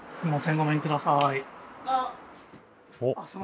ごめんください。